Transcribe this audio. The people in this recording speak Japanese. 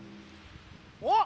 おっ！